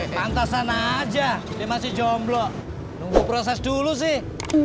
pantasan aja dia masih jomblo nunggu proses dulu sih